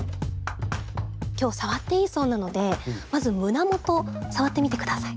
今日触っていいそうなのでまず胸元触ってみて下さい。